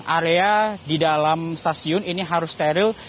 area di dalam stasiun ini harus steril